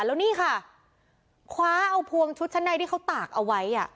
แล้วนี่ค่ะคว้าเอาพวงชุดชั้นในที่เขาตากเอาไว้